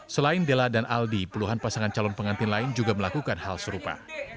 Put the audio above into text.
selain della dan aldi puluhan pasangan calon pengantin lain juga melakukan hal serupa